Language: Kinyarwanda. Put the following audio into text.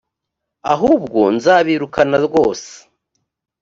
ahubwo nzabirukana rwose.